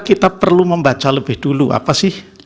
kita perlu membaca lebih dulu apa sih